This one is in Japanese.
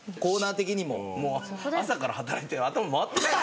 もう朝から働いて頭回ってないでしょ。